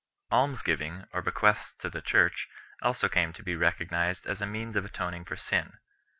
Almsgiving, or bequests to the Church, also came to be recognised as a means of atoning for sin.